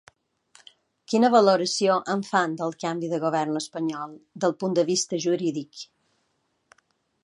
Quina valoració en fan del canvi de govern espanyol, del punt de vista jurídic?